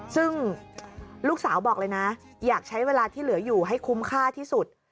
ซึ่งลูกสาวบอกเลยนะอยากใช้เวลาที่เหลืออยู่ให้คุ้มค่าที่สุด